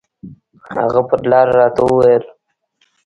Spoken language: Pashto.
هغه پر لاره راته وويل.